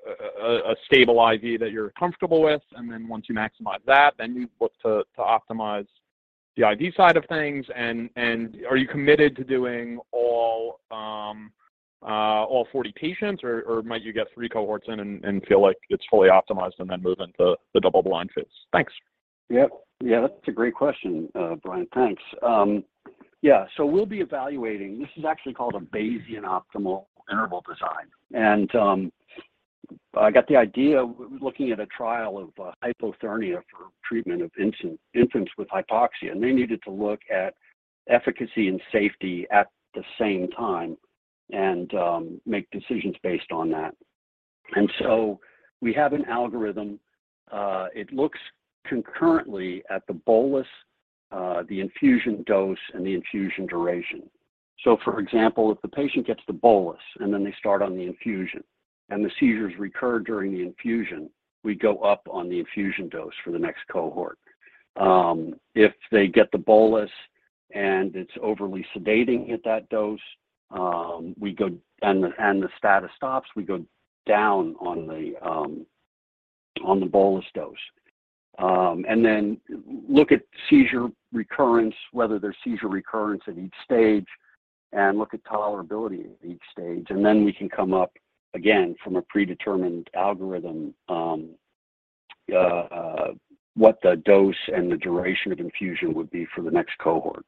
[SPEAKER 11] stable IV that you're comfortable with, and then once you maximize that, then you look to optimize the IV side of things? Are you committed to doing all 40 patients or might you get three cohorts in and feel like it's fully optimized and then move into the double-blind phase? Thanks.
[SPEAKER 4] Yep. Yeah, that's a great question, Brian. Thanks. Yeah. We'll be evaluating. This is actually called a Bayesian optimal interval design. I got the idea looking at a trial of hypothermia for treatment of infants with hypoxia, and they needed to look at efficacy and safety at the same time and make decisions based on that. We have an algorithm. It looks concurrently at the bolus, the infusion dose, and the infusion duration. For example, if the patient gets the bolus and then they start on the infusion and the seizures recur during the infusion, we go up on the infusion dose for the next cohort. If they get the bolus and it's overly sedating at that dose, we go. The status stops, we go down on the bolus dose. Then look at seizure recurrence, whether there's seizure recurrence at each stage, and look at tolerability at each stage. Then we can come up, again, from a predetermined algorithm, what the dose and the duration of infusion would be for the next cohort.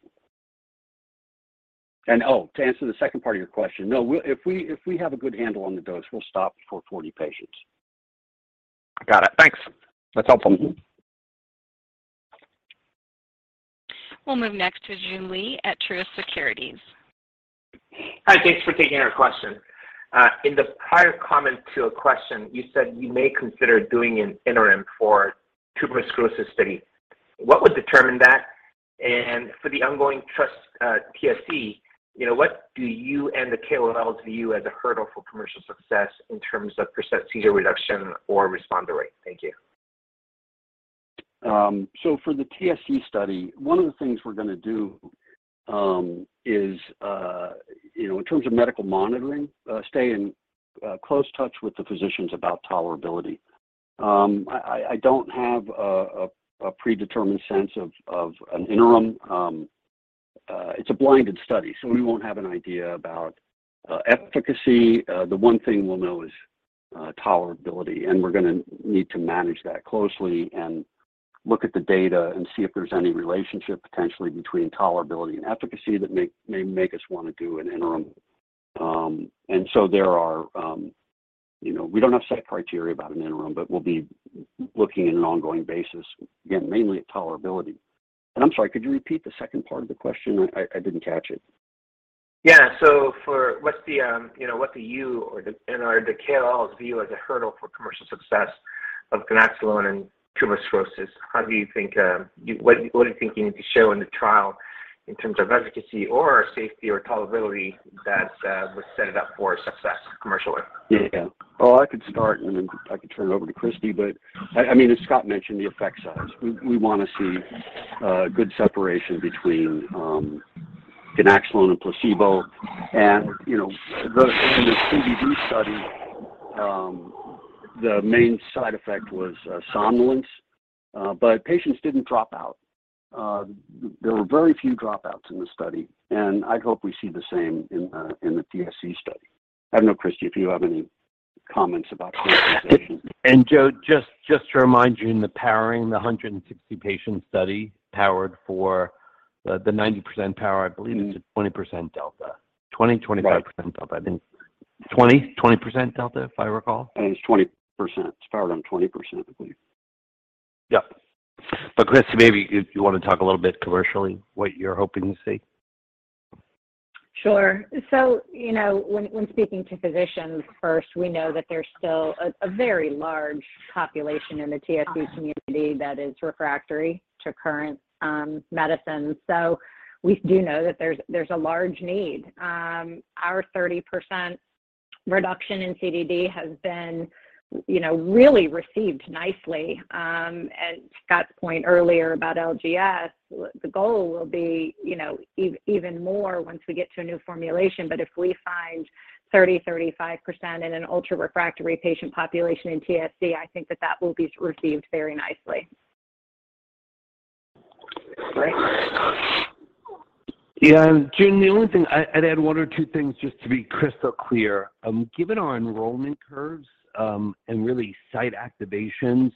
[SPEAKER 4] Oh, to answer the second part of your question, no. If we have a good handle on the dose, we'll stop before 40 patients.
[SPEAKER 11] Got it. Thanks. That's helpful.
[SPEAKER 1] We'll move next to Joon Lee at Truist Securities.
[SPEAKER 12] Hi. Thanks for taking our question. In the prior comment to a question, you said you may consider doing an interim for tuberous sclerosis study. What would determine that? For the ongoing TrustTSC, you know, what do you and the KOLs view as a hurdle for commercial success in terms of % seizure reduction or responder rate? Thank you.
[SPEAKER 4] For the TSC study, one of the things we're gonna do is you know in terms of medical monitoring stay in close touch with the physicians about tolerability. I don't have a predetermined sense of an interim. It's a blinded study, so we won't have an idea about efficacy. The one thing we'll know is tolerability. We're gonna need to manage that closely and look at the data and see if there's any relationship potentially between tolerability and efficacy that may make us wanna do an interim. There are you know we don't have set criteria about an interim, but we'll be looking on an ongoing basis, again, mainly at tolerability. I'm sorry, could you repeat the second part of the question? I didn't catch it.
[SPEAKER 12] Yeah. What's the, you know, what do you and/or KOLs view as a hurdle for commercial success of ganaxolone in tuberous sclerosis? How do you think what do you think you need to show in the trial in terms of efficacy or safety or tolerability that would set it up for success commercially?
[SPEAKER 4] Well, I could start, and then I could turn it over to Christy. I mean, as Scott mentioned, the effect size. We wanna see good separation between ganaxolone and placebo. You know, in the CDD study, the main side effect was somnolence. But patients didn't drop out. There were very few dropouts in the study, and I'd hope we see the same in the TSC study. I don't know, Christy, if you have any comments about commercialization.
[SPEAKER 3] Joe, just to remind you in powering the 160-patient study powered for the 90% power, I believe it's a 20% delta. 25% delta.
[SPEAKER 4] Right.
[SPEAKER 3] I think 20% delta, if I recall.
[SPEAKER 4] I think it's 20%. It's powered on 20%, I believe.
[SPEAKER 3] Yeah. Christy, maybe if you wanna talk a little bit commercially, what you're hoping to see?
[SPEAKER 7] Sure. You know, when speaking to physicians first, we know that there's still a very large population in the TSC community that is refractory to current medicines. We do know that there's a large need. Our 30% reduction in CDD has been, you know, really received nicely. To Scott's point earlier about LGS, the goal will be, you know, even more once we get to a new formulation. If we find 30%-35% in an ultra-refractory patient population in TSC, I think that will be received very nicely.
[SPEAKER 12] Great.
[SPEAKER 3] Yeah. Joon, the only thing, I'd add one or two things just to be crystal clear. Given our enrollment curves and really site activations,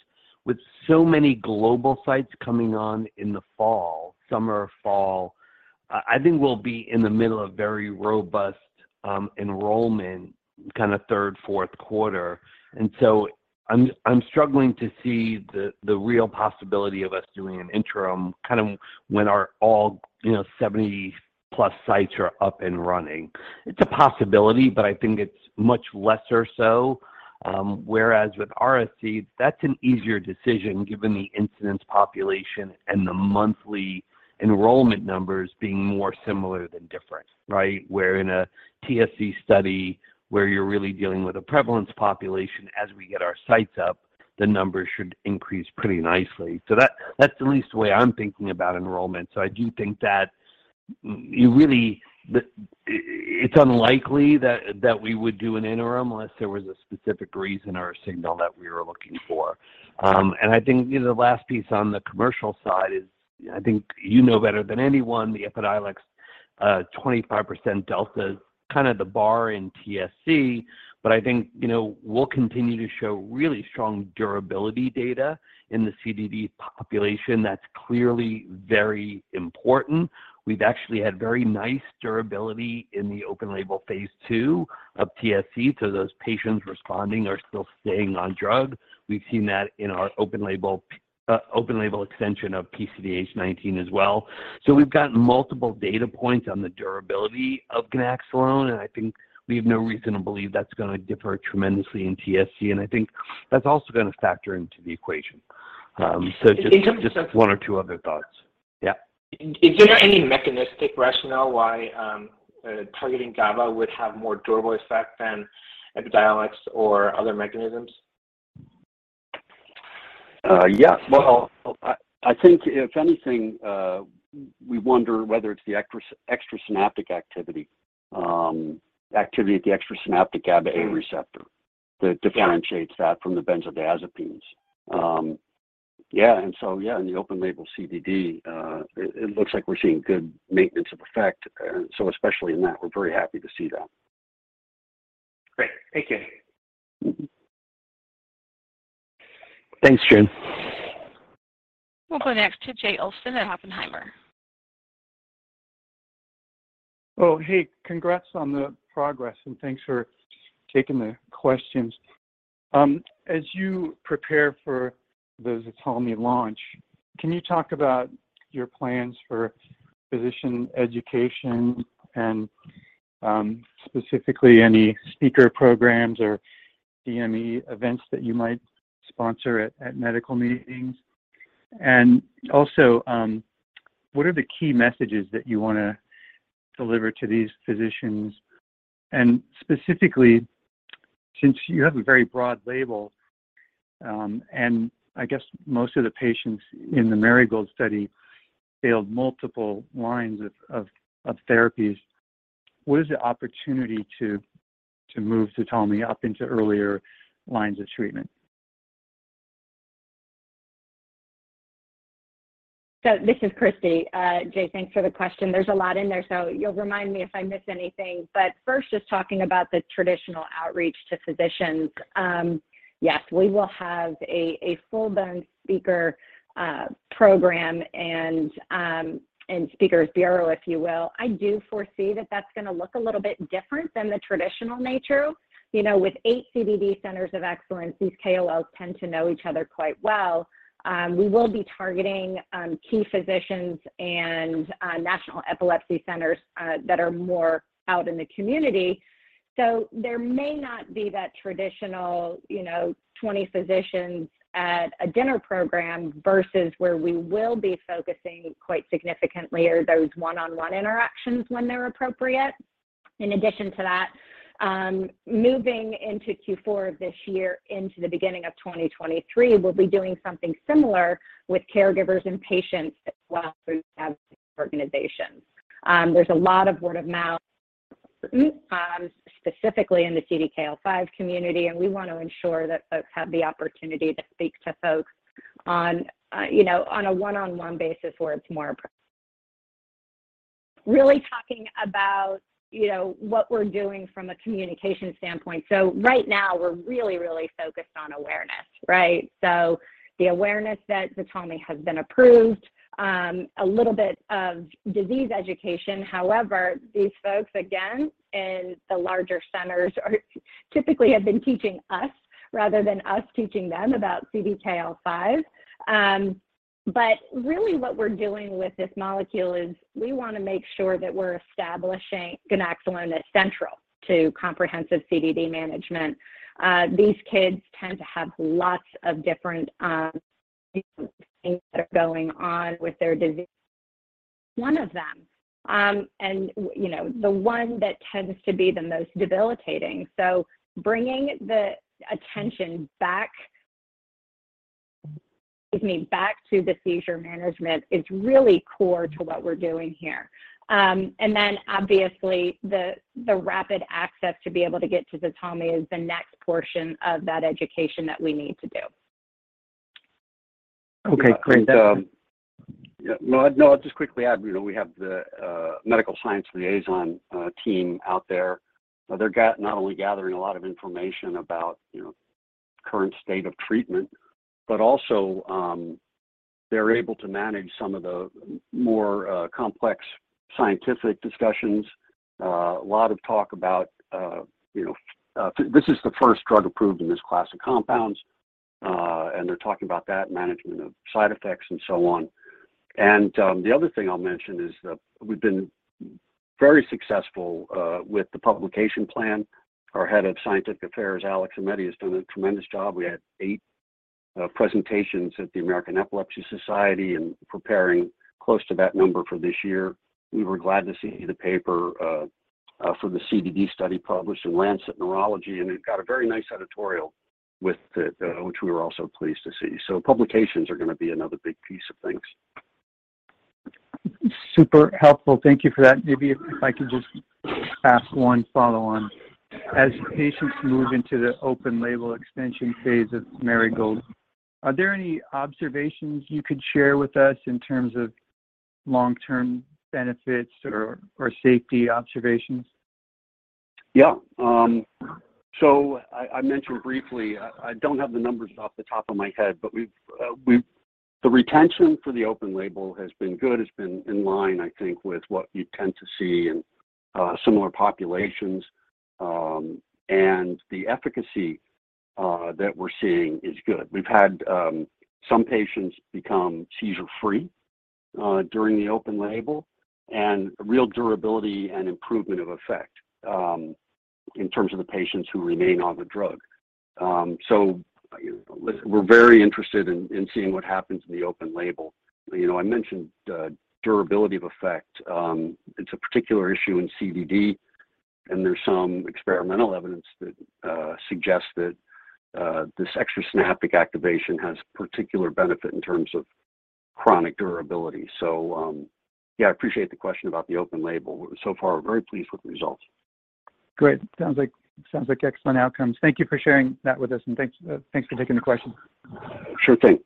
[SPEAKER 3] with so many global sites coming on in the fall, summer, fall, I think we'll be in the middle of very robust enrollment kind of third, fourth quarter. I'm struggling to see the real possibility of us doing an interim kind of when all our, you know, 70+ sites are up and running. It's a possibility, but I think it's much less so. Whereas with RSE, that's an easier decision given the incidence population and the monthly enrollment numbers being more similar than different, right? Where in a TSC study, where you're really dealing with a prevalence population, as we get our sites up, the numbers should increase pretty nicely. That's at least the way I'm thinking about enrollment. I do think that it's unlikely that we would do an interim unless there was a specific reason or a signal that we were looking for. And I think, you know, the last piece on the commercial side is, I think you know better than anyone, the Epidiolex 25% delta is kinda the bar in TSC. But I think, you know, we'll continue to show really strong durability data in the CDD population. That's clearly very important. We've actually had very nice durability in the open-label phase II of TSC, so those patients responding are still staying on drug. We've seen that in our open-label extension of PCDH19 as well. We've got multiple data points on the durability of ganaxolone, and I think we have no reason to believe that's gonna differ tremendously in TSC, and I think that's also gonna factor into the equation.
[SPEAKER 12] In terms of
[SPEAKER 3] Just one or two other thoughts. Yeah.
[SPEAKER 12] Is there any mechanistic rationale why targeting would have more durable effect than Epidiolex or other mechanisms?
[SPEAKER 4] Yeah. Well, I think if anything, we wonder whether it's the extrasynaptic activity at the extrasynaptic GABAA receptor that differentiates that from the benzodiazepines. Yeah. In the open label CDD, it looks like we're seeing good maintenance of effect. Especially in that, we're very happy to see that.
[SPEAKER 12] Great. Thank you.
[SPEAKER 3] Thanks, Joon.
[SPEAKER 1] We'll go next to Jay Olson at Oppenheimer.
[SPEAKER 13] Oh, hey, congrats on the progress, and thanks for taking the questions. As you prepare for the ZTALMY launch, can you talk about your plans for physician education and, specifically any speaker programs or CME events that you might sponsor at medical meetings? What are the key messages that you wanna deliver to these physicians? Specifically, since you have a very broad label, and I guess most of the patients in the Marigold study failed multiple lines of therapies, what is the opportunity to move ZTALMY up into earlier lines of treatment?
[SPEAKER 7] This is Christy. Jay, thanks for the question. There's a lot in there, so you'll remind me if I miss anything. First, just talking about the traditional outreach to physicians. Yes, we will have a full-blown speaker program and speakers bureau, if you will. I do foresee that that's gonna look a little bit different than the traditional nature. You know, with eight CDD centers of excellence, these KOLs tend to know each other quite well. We will be targeting key physicians and national epilepsy centers that are more out in the community. There may not be that traditional, you know, 20 physicians at a dinner program versus where we will be focusing quite significantly are those one-on-one interactions when they're appropriate. In addition to that, moving into Q4 this year into the beginning of 2023, we'll be doing something similar with caregivers and patients as well through advocacy organizations. There's a lot of word-of-mouth, specifically in the CDKL5 community, and we want to ensure that folks have the opportunity to speak to folks on, you know, on a one-on-one basis where it's more appropriate. Really talking about, you know, what we're doing from a communication standpoint. Right now, we're really focused on awareness, right? The awareness that ZTALMY has been approved, a little bit of disease education. However, these folks, again, in the larger centers typically have been teaching us rather than us teaching them about CDKL5. Really what we're doing with this molecule is we wanna make sure that we're establishing ganaxolone as central to comprehensive CDD management. These kids tend to have lots of different things that are going on with their disease. One of them, you know, the one that tends to be the most debilitating. Bringing the attention back, excuse me, to the seizure management is really core to what we're doing here. Obviously, the rapid access to be able to get to ZTALMY is the next portion of that education that we need to do.
[SPEAKER 13] Okay, great.
[SPEAKER 4] Yeah. No, I'll just quickly add. You know, we have the medical science liaison team out there. They're not only gathering a lot of information about, you know, current state of treatment, but also, they're able to manage some of the more complex scientific discussions. A lot of talk about, you know, this is the first drug approved in this class of compounds, and they're talking about that management of side effects and so on. The other thing I'll mention is that we've been very successful with the publication plan. Our Head of Scientific Affairs, Alex Aimetti, has done a tremendous job. We had eight presentations at the American Epilepsy Society and preparing close to that number for this year. We were glad to see the paper for the CDD study published in Lancet Neurology, and it got a very nice editorial with it, which we were also pleased to see. Publications are gonna be another big piece of things.
[SPEAKER 13] Super helpful. Thank you for that. Maybe if I could just ask one follow-on. As patients move into the open-label extension phase of Marigold, are there any observations you could share with us in terms of long-term benefits or safety observations?
[SPEAKER 4] Yeah, I mentioned briefly, I don't have the numbers off the top of my head, but the retention for the open label has been good. It's been in line, I think, with what you'd tend to see in similar populations, and the efficacy that we're seeing is good. We've had some patients become seizure-free during the open label and real durability and improvement of effect in terms of the patients who remain on the drug. We're very interested in seeing what happens in the open label. You know, I mentioned the durability of effect. It's a particular issue in CDD, and there's some experimental evidence that suggests that this extrasynaptic activation has particular benefit in terms of chronic durability. Yeah, I appreciate the question about the open label. So far, we're very pleased with the results.
[SPEAKER 13] Great. Sounds like excellent outcomes. Thank you for sharing that with us, and thanks for taking the question.
[SPEAKER 4] Sure thing.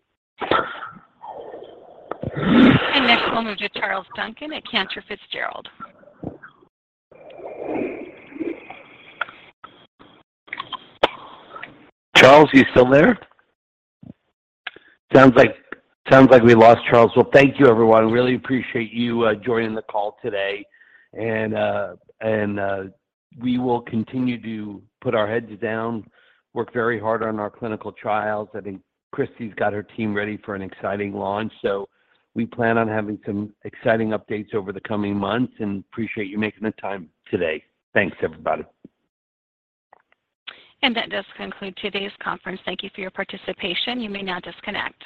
[SPEAKER 1] Next, we'll move to Charles Duncan at Cantor Fitzgerald.
[SPEAKER 3] Charles, you still there? Sounds like we lost Charles. Well, thank you, everyone. Really appreciate you joining the call today. We will continue to put our heads down, work very hard on our clinical trials. I think Christy's got her team ready for an exciting launch, so we plan on having some exciting updates over the coming months and appreciate you making the time today. Thanks, everybody.
[SPEAKER 1] That does conclude today's conference. Thank you for your participation. You may now disconnect.